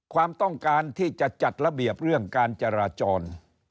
ความต้องการที่จะจัดระเบียบเรื่องการจราจร